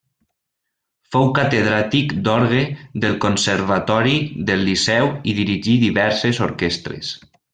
Fou catedràtic d'orgue del Conservatori del Liceu i dirigí diverses orquestres.